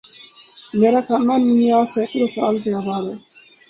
میرا خاندان بھی یہاں سینکڑوں سال سے آباد ہے